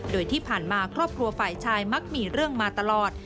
โดยที่ผ่านมาครอบครัวฝ่ายชายมักมีเรื่องมาตลอด